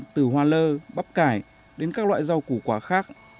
từ hoa lơ bắp cải đến các loại rau củ quả khác